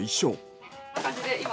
こんな感じで今。